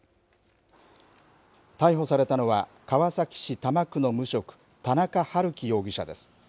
逮捕されたのは川崎市多摩区の無職田村遥貴容疑者です。